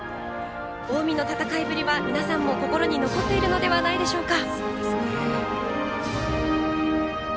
近江の戦いぶりは、皆さんも心に残っているのではないでしょうか。